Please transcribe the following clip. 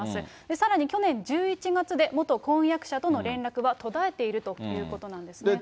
さらに去年１１月で元婚約者との連絡は途絶えているということなんですね。